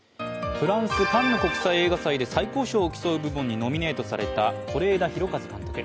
フランス・カンヌ国際映画祭で最高賞を競う部門にノミネートされた是枝裕和監督。